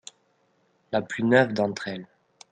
La plus neuve d’entre elles.